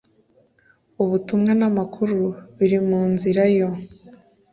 ubutumwa n amakuru biri mu nzira yo